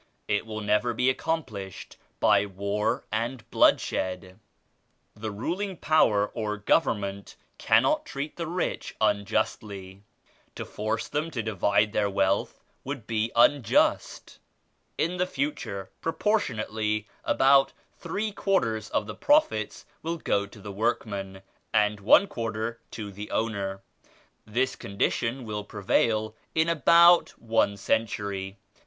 It will never be accomplished by war and bloodshed. The ruling power or government can not treat the rich unjustly. To force them to di vide their wealth would be unjust. In the future, proportionately about three quarters of the profits will go to the workmen and one quarter to the owner. This condition will prevail in about one century.